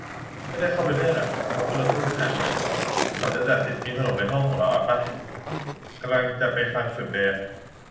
ไม่ได้เข้าไปเลือกอ่ะ กลัวขึ้นรถตู้ไม่ทัน เขาจะตัดสิทธิกินขนมในห้องของเราอ๊ะป่ะ กำลังจะไปฟังสุดแดน